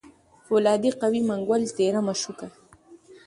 پولادي قوي منګول تېره مشوکه